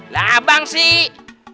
lah abang sih